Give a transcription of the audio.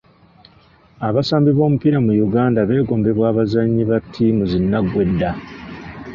Abasambi b'omupiira mu Uganda beegombebwa abazannyi ba ttiimu zi nnaggwedda.